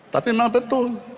tapi memang betul